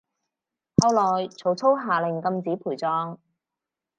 後來曹操下令禁止陪葬